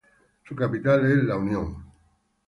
Su Capital es La Unión.